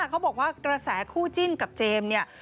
เขาบอกว่ากระแสคู่จิ้นกับเจมส์เนี่ย